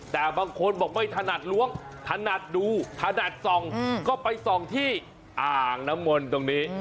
แต่บางคนบอกไม่ถนัดล้วงถนัดดูถนัดส่องก็ไปส่องที่อ่างน้ำมนต์ตรงนี้